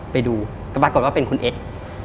ไปดูก็ปรากฏว่าเป็นคุณเอ็กซ์